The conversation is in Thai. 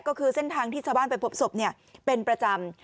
ก็คือเส้นทางที่ชาวบ้านไปพบศพเป็นประจำ